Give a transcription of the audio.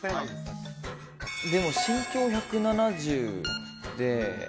でも身長１７０で。